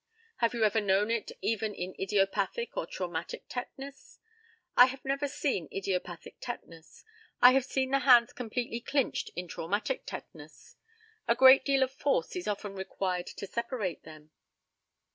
Have you ever known it even in idiopathic or traumatic tetanus? I have never seen idiopathic tetanus. I have seen the hands completely clinched in traumatic tetanus. A great deal of force is often required to separate them.